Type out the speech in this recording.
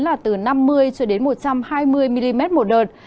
là từ năm mươi một trăm hai mươi mm một đợt